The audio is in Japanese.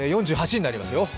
４８になりますよ。